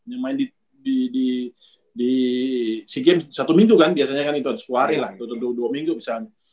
yang main di di di si game satu minggu kan biasanya kan itu satu hari lah dua minggu misalnya